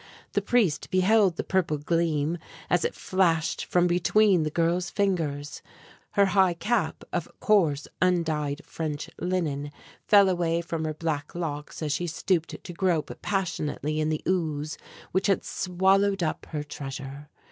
The priest beheld the purple gleam as it flashed from between the girl's fingers. Her high cap of coarse undyed French linen fell away from her black locks as she stooped to grope passionately in the ooze which had swallowed up her treasure.